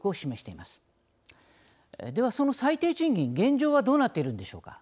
ではその最低賃金現状はどうなっているんでしょうか。